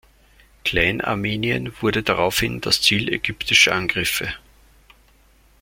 Kleinarmenien wurde daraufhin das Ziel ägyptischer Angriffe.